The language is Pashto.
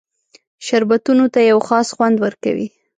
شربتونو ته یو خاص خوند ورکوي.